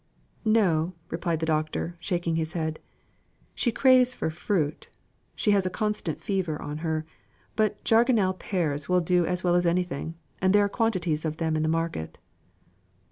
"No," replied the Doctor, shaking his head. "She craves for fruit, she has a constant fever on her; but jargonelle pears will do as well as anything, and there are quantities of them in the market."